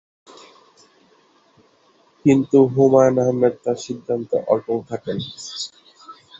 কিন্তু হুমায়ূন আহমেদ তার সিদ্ধান্তে অটল থাকেন।